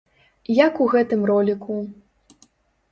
Як у гэтым роліку.